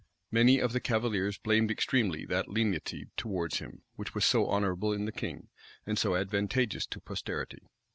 Many of the cavaliers blamed extremely that lenity towards him, which was so honorable in the king, and so advantageous to posterity.